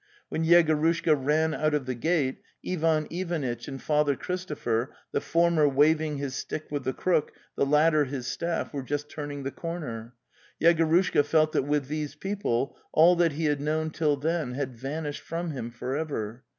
When Yegorushka ran out of the gate Ivan Ivanitch and Father Christo pher, the former waving his stick with the crook, the latter his staff, were just turning the corner. Yegorushka felt that with these people all that he had known till then had vanished from him for ever.